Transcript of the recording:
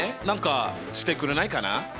何かしてくれないかな？